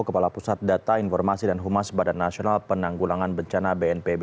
kepala pusat data informasi dan humas badan nasional penanggulangan bencana bnpb